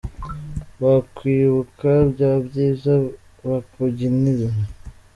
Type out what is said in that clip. Wakwibuka bya byiza bakubyinirira